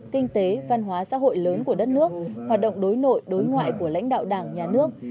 kinh tế văn hóa xã hội lớn của đất nước hoạt động đối nội đối ngoại của lãnh đạo đảng nhà nước